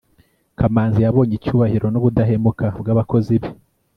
kamanzi yabonye icyubahiro n'ubudahemuka bw'abakozi be